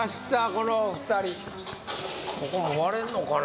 このお二人ここも割れんのかな？